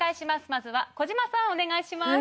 まずは小島さんお願いします